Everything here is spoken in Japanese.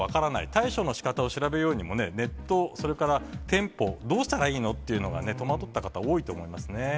対処のしかたを調べようにもネット、それから店舗、どうしたらいいの？って戸惑った方、多いと思いますね。